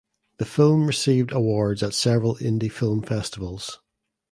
The film received awards at several indie film festivals.